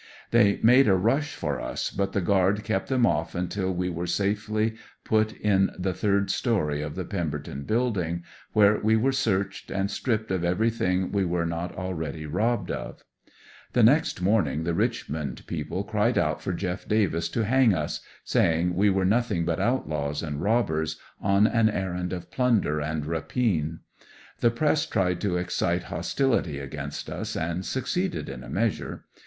They made a rush for us, but the guard kept them off until we were safely put in the third 168 A DARING ESCAPE. story of the Pemberton building, where we were searched and strip ped of everything we were not ah'eady robbed of. The next morning the Richmond people cried out for Jeff Davis to hang us, saying we were nothing but outlaws and robbers, on an er rand of plunder and rapine. The press tried to excite hostility against us, and succeeded, in a measure.